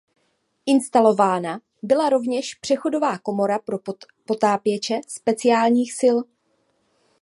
Instalována byla rovněž přechodová komora pro potápěče speciálních sil.